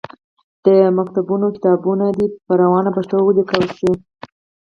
د ښوونځیو کتابونه دي په روانه پښتو ولیکل سي.